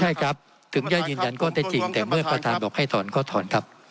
ใช่ครับถึงย่าจริงก็ตามแต่ว่าเก่าหาข้อมีความวิธิภาคศาชัดเรียบร้อยนะครับ